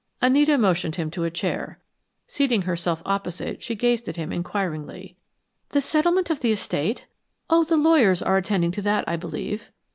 Anita motioned him to a chair. Seating herself opposite, she gazed at him inquiringly. "The settlement of the estate? Oh, the lawyers are attending to that, I believe."